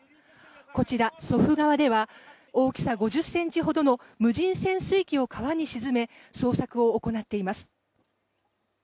こちら、祖父川では大きさ５０ｃｍほどの無人潜水機を川に沈め捜索を行っています。